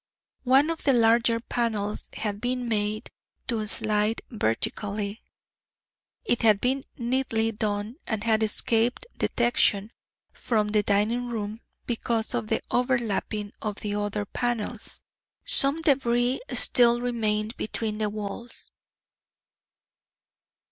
One of the larger panels had been made to slide vertically. It had been neatly done and had escaped detection from the dining room because of the overlapping of the other panels. Some débris still remained between the walls.